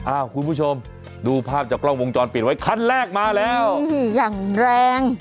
คุณผู้ชมดูภาพจากกล้องวงจรปิดไว้คันแรกมาแล้วนี่อย่างแรง